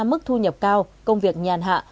mức thu nhập cao công việc nhàn hạ